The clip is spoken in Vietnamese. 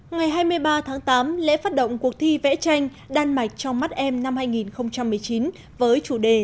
ngày hai mươi ba tháng tám lễ phát động cuộc thi vẽ tranh đan mạch trong mắt em năm hai nghìn một mươi chín với chủ đề